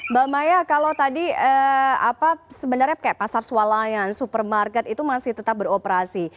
mbak maya kalau tadi sebenarnya pasar sualayan supermarket itu masih tetap beroperasi